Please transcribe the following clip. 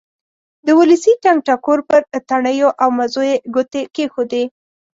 د ولسي ټنګ ټکور پر تڼیو او مزو یې ګوتې کېښودې.